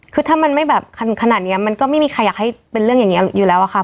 คือถ้ามันไม่แบบขนาดนี้มันก็ไม่มีใครอยากให้เป็นเรื่องอย่างนี้อยู่แล้วอะค่ะ